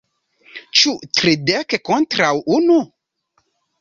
Ĉu tridek kontraŭ unu?